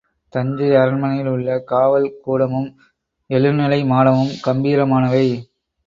தஞ்சை அரண்மனையில் உள்ள காவல், கூடமும் எழு நிலை மாடமும் கம்பீரமானவை.